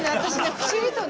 不思議とね。